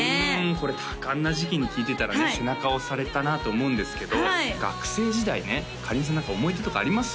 これ多感な時期に聴いてたらね背中を押されたなと思うんですけど学生時代ねかりんさん何か思い出とかあります？